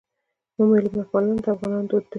میلمه پالنه د افغانانو دود دی